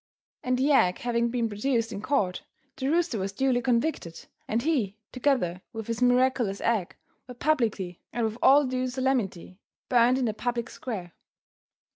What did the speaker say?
And the egg having been produced in court, the rooster was duly convicted and he together with his miraculous egg were publicly and with all due solemnity burned in the public square.